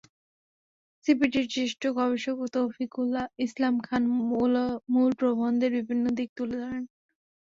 সিপিডির জ্যেষ্ঠ গবেষক তৌফিকুল ইসলাম খান মূল প্রবন্ধের বিভিন্ন দিক তুলে ধরেন।